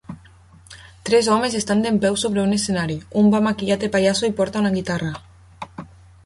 Tres homes estan dempeus sobre un escenari, un va maquillat de pallasso i porta una guitarra.